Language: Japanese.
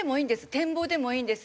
展望でもいいんです。